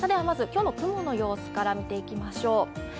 まず今日の雲の様子から見ていきましょう。